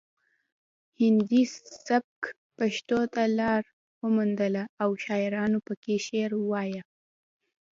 هندي سبک پښتو ته لار وموندله او شاعرانو پکې شعر وایه